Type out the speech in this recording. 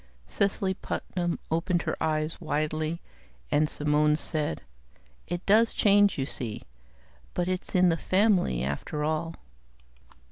Cecily Putnam opened her eyes widely, and Simone said, "It does change, you see. But it's in the family, after all."